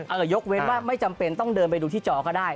ยกเว้นว่าไม่จำเป็นต้องเดินไปดูที่จอก็ได้